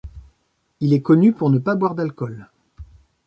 Il est connu pour ne pas boire d'alcool.